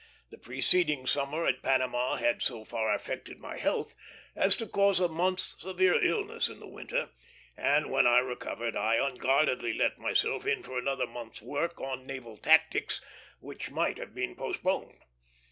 The preceding summer at Panama had so far affected my health as to cause a month's severe illness in the winter; and when recovered I unguardedly let myself in for another month's work, on naval tactics, which might have been postponed.